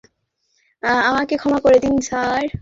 আমাকে ক্ষমা করে দিন, স্যার।